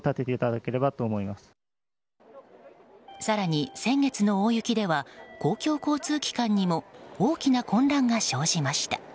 更に、先月の大雪では公共交通機関にも大きな混乱が生じました。